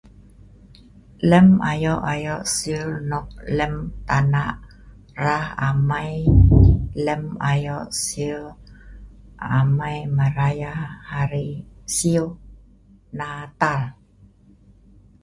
Lem ayo'-ayo'seul lem tana rah'amai lem ayo'siew amai meraya siew Natal.